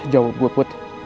jawab gue put